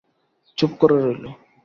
চুপ করে রইল।